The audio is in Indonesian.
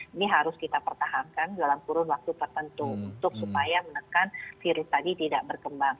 ini harus kita pertahankan dalam kurun waktu tertentu untuk supaya menekan virus tadi tidak berkembang